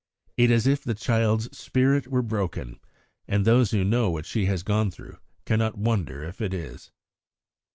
It is as if the child's spirit were broken, and those who know what she has gone through cannot wonder if it is.